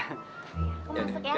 aku masuk ya